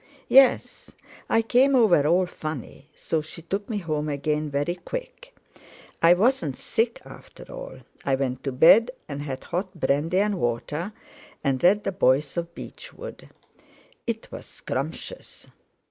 "Yes. I came over all funny, so she took me home again very quick. I wasn't sick after all. I went to bed and had hot brandy and water, and read The Boys of Beechwood. It was scrumptious."